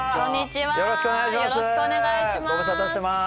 よろしくお願いします。